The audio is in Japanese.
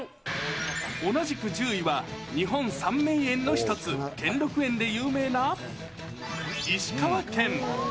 同じく１０位は日本三名園の一つ、兼六園で有名な石川県。